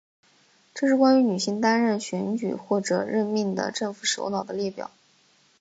这是关于女性担任选举或者任命的政府首脑的列表。